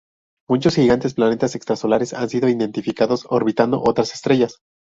Muchos gigantes planetas extrasolares han sido identificados orbitando otras estrellas.